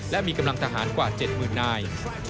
และมีกำลังทหารกว่า๗๐๐นาย